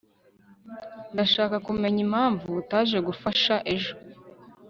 ndashaka kumenya impamvu utaje gufasha ejo